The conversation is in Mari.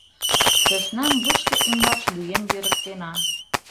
— Сӧснам вышке ӱмбач лӱен йӧрыктена.